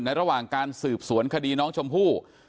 ระหว่างการสืบสวนคดีน้องชมพู่